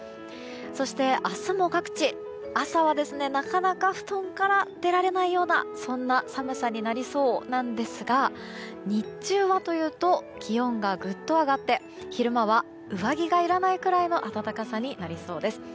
そして、明日も各地朝はなかなか布団から出られないようなそんな寒さになりそうなんですが日中はというと気温がぐっと上がって昼間は上着がいらないくらいの暖かさになりそうです。